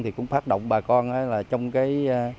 thì cũng phát động bà con là trong cái